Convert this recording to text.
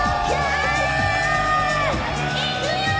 いくよー！